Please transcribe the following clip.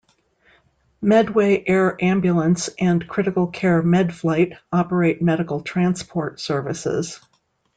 Medway Air Ambulance and Critical Care Medflight operate medical transport services.